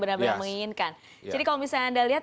benar benar menginginkan jadi kalau misalnya anda lihat